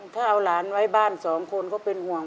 ถ้าเอาหลานไว้บ้านสองคนก็เป็นห่วง